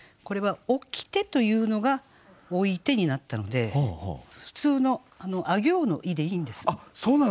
これは「置きて」というのが「置いて」になったので普通のあ行の「い」でいいんですね。